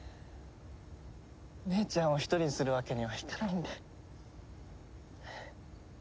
姉ちゃんを一人にするわけにはいかないんで。